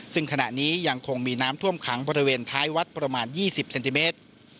ซึ่งขณะนี้ยังคงมีน้ำท่วมขังบริเวณท้ายวัดประมาณ๒๐เซนติเมตร